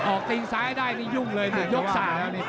ออกติงซ้ายให้ได้นี่ยุ่งเลยมันยกสาร